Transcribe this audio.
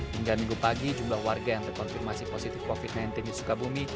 hingga minggu pagi jumlah warga yang terkonfirmasi positif covid sembilan belas di sukabumi